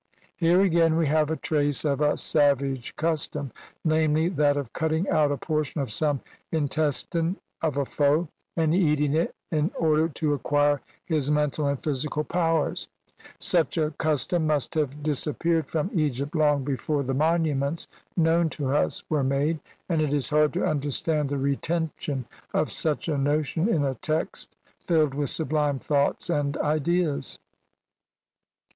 Here again we have a trace of a savage custom, namely that of cutting out a portion of some intestine of a foe and eating it in order to acquire his mental and physical powers ; such a custom must have disappeared from Egypt long before the monuments known to us were made, and it is hard to understand the retention of such a notion in a text filled with sublime thoughts and ideas.